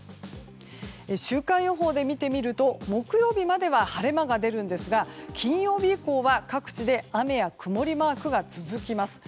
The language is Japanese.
週間予報で見てみると木曜日までは晴れ間が出るんですが金曜日以降は、各地で雨や曇りマークが続きます。